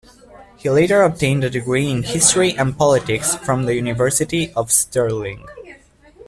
He later obtained a degree in History and Politics from the University of Stirling.